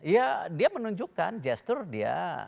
ya dia menunjukkan gestur dia